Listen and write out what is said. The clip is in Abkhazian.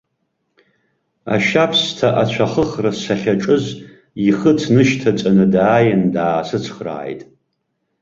Ашьабсҭа ацәахыхра сахьаҿыз, ихыц нышьҭаҵаны дааин даасыцхрааит.